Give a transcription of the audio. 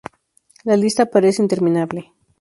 La lista parece interminable.